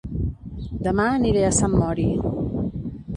Dema aniré a Sant Mori